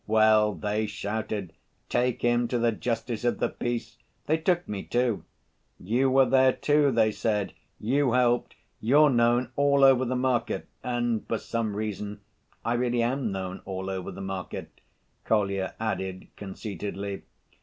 Well, they shouted, 'Take him to the justice of the peace!' They took me, too. 'You were there, too,' they said, 'you helped, you're known all over the market!' And, for some reason, I really am known all over the market," Kolya added conceitedly.